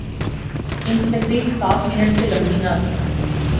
ان کی تقریر سات منٹ سے لمبی نہ تھی۔